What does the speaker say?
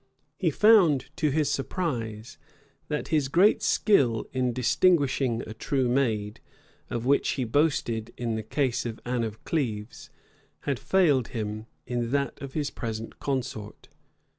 He found to his surprise, that his great skill in distinguishing a true maid, of which he boasted in the case of Anne of Cleves, had failed him in that of his present consort.